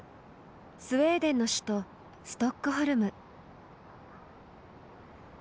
スウェーデンの首都ストックホルム。